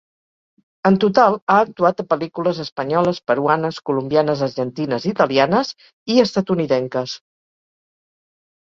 En total ha actuat a pel·lícules espanyoles, peruanes, colombianes, argentines, italianes i estatunidenques.